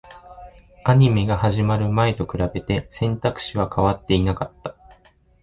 アニメが始まる前と比べて、選択肢は変わっていなかった